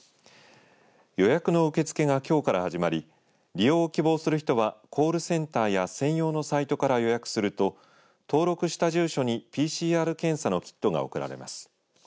予約の受け付けがきょうから始まり利用を希望する人はコールセンターや専用のサイトから予約すると登録した住所にＰＣＲ検査のキットが送られます。